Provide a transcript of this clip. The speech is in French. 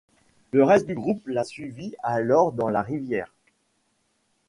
Le reste du groupe la suivit alors dans la rivière.